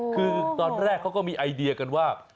คือตอนแรกเขาก็มีไอเดียกันว่า